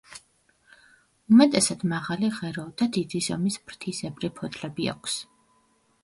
უმეტესად მარალი ღერო და დიდი ზომის ფრთისებრი ფოთლები აქვს.